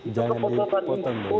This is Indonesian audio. itu kebutuhan bung mas hinton